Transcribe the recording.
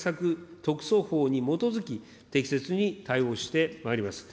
特措法に基づき、適切に対応してまいります。